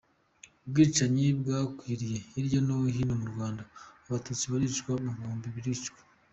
Ubwicanyi bwakwiriye hirya no hino mu Rwanda, Abatutsi babarirwa mu bihumbi baricwa.